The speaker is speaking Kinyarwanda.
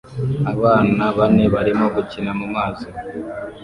Abana bane barimo gukina mumazi